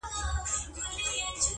میخانه ده نړېدلې تش له میو ډک خُمونه!!